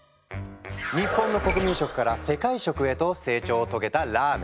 日本の国民食から世界食へと成長を遂げたラーメン。